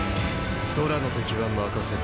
空の敵は任せろ。